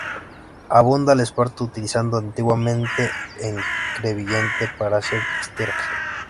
Abunda el esparto, utilizado antiguamente en Crevillente para hacer esteras.